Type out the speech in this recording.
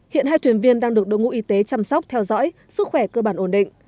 hiện hai thuyền viên đang được đội ngũ y tế chăm sóc theo dõi sức khỏe cơ bản ổn định